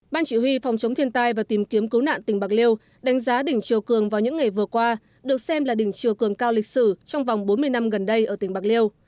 ban chỉ huy phòng chống thiên tai và tìm kiếm cứu nạn tỉnh bạc liêu đánh giá đỉnh chiều cường vào những ngày vừa qua được xem là đỉnh chiều cường cao lịch sử trong vòng bốn mươi năm gần đây ở tỉnh bạc liêu